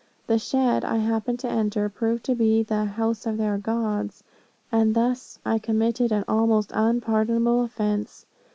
The shed I happened to enter, proved to be the 'house of their gods,' and thus I committed an almost unpardonable offence.